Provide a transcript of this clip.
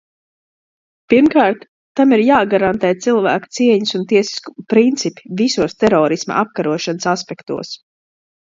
Pirmkārt, tam ir jāgarantē cilvēka cieņas un tiesiskuma principi visos terorisma apkarošanas aspektos.